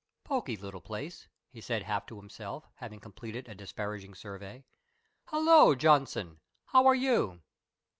"Poky little place," he said half to himself, having completed a disparaging survey. "Hullo, Johnson! How are you?"